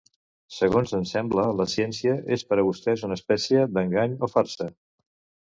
Segons em sembla, la ciència és per a vostès una espècie d'engany o farsa.